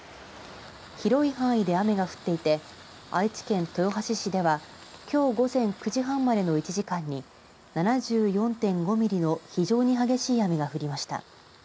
広い範囲で雨が降っていて愛知県豊橋市ではきょう午前９時半までの１時間に７４．５ミリの非常に激しい雨が降りました。